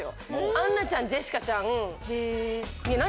アンナちゃんジェシカちゃん。